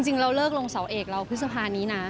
เราเลิกลงเสาเอกเราพฤษภานี้นะ